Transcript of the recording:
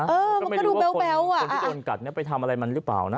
มันก็ไม่รู้ว่าคนที่โดนกัดไปทำอะไรมันหรือเปล่านะ